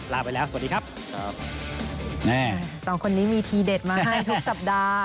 ลาไปแล้วสวัสดีครับครับแม่สองคนนี้มีทีเด็ดมาให้ทุกสัปดาห์